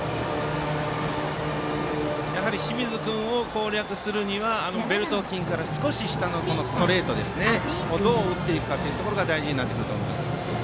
清水君を攻略するにはベルト付近から少し下のストレートをこれをどう打っていくかというのが大事になっていきます。